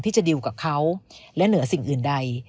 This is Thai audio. จะดิวกับเขาและเหนือสิ่งอื่นใด